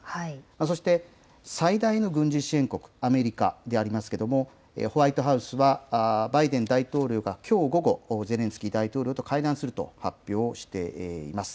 そして最大の軍事支援国アメリカでありますけれども、ホワイトハウスはバイデン大統領がきょう午後、ゼレンスキー大統領と会談すると発表しています。